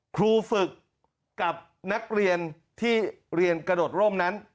ครูฝึกกับนักเรียนที่เรียนกระโดดร่มนั้น